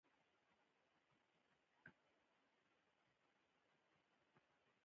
موږ داسې څېړنې نه لرو چې له ایدیالوژۍ پاکې وي.